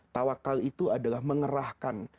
tawakal itu adalah mengerahkan